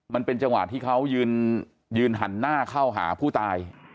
มันเป็นจังหวะที่เขายืนหันหน้าเข้าหาผู้ตาย